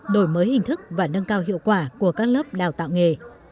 đổi mới hình thức và nâng cao hiệu quả của các lớp đào tạo nghề